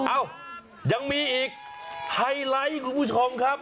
เอ้ายังมีอีกไฮไลท์คุณผู้ชมครับ